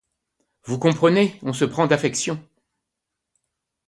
Vous comprenez, on se prend d'affection.